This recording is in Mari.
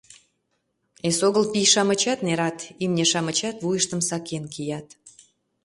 Эсогыл пий-шамычат нерат; имне-шамычат вуйыштым сакен кият...